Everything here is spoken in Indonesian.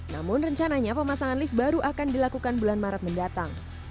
namun rencananya pemasangan lift baru akan dilakukan bulan maret mendatang